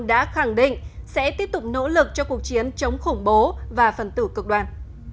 đã khẳng định sẽ tiếp tục nỗ lực cho cuộc chiến chống khủng bố và phần tử cực đoan